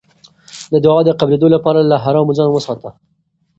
د دعا د قبلېدو لپاره له حرامو ځان وساته.